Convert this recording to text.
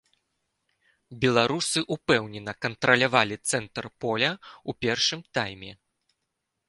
Беларусы ўпэўнена кантралявалі цэнтр поля ў першым тайме.